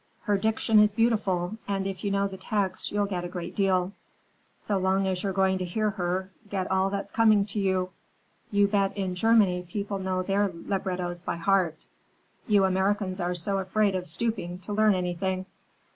Her diction is beautiful, and if you know the text you'll get a great deal. So long as you're going to hear her, get all that's coming to you. You bet in Germany people know their librettos by heart! You Americans are so afraid of stooping to learn anything."